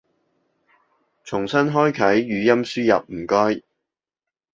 重新開啟語音輸入唔該